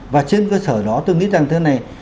và trên cơ sở đó tôi nghĩ rằng thế này